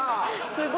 すごい。